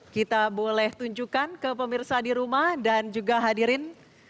kita boleh tunjukkan ke pemirsa di rumah dan juga hadirin